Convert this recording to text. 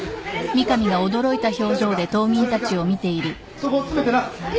そこ詰めてな。